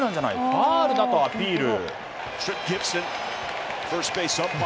ファウルだとアピール。